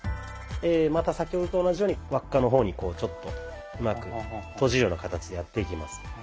また先ほどと同じように輪っかの方にこうちょっとうまくとじるような形でやっていきます。